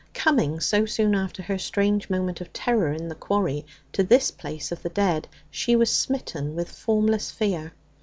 Coming, so soon after her strange moment of terror in the quarry, to this place of the dead, she was smitten with formless fear.